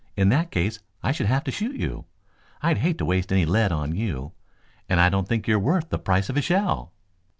In that case I should have to shoot you. I'd hate to waste any lead on you, and I don't think you're worth the price of a shell."